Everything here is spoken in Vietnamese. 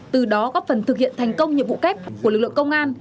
từ đó góp phần thực hiện thành công nhiệm vụ kép của lực lượng công an